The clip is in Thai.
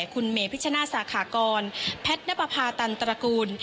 คุณเมพิชนาสาขากรแพทย์ณปภาตันตระกูล